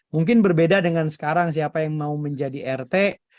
mungkin berbeda dengan sekarang siapa yang mau menjadi rt